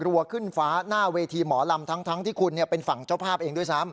ขึ้นฟ้าหน้าเวทีหมอลำทั้งที่คุณเป็นฝั่งเจ้าภาพเองด้วยซ้ำ